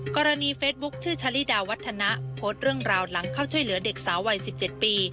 กรณีเฟซบุ๊คชื่อชะลิดาวัฒนะโพสต์เรื่องราวหลังเข้าช่วยเหลือเด็กสาววัย๑๗ปี